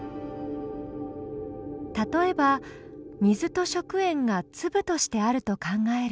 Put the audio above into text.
例えば水と食塩が粒としてあると考える。